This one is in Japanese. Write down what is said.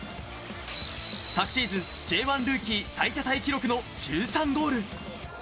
昨シーズン、Ｊ１ルーキー最多タイ記録の１３ゴール。